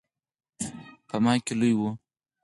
په ما کې لوی و.